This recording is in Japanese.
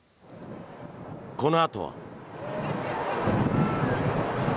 このあとは。